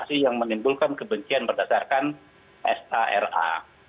kasus yang menimbulkan kebencian berdasarkan sara